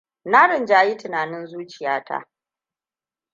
Na rinjayi tunanin zuciya ta.